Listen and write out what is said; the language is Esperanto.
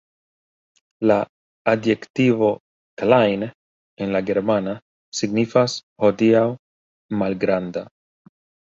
La adjektivo "klein" en la germana signifas hodiaŭ "malgranda".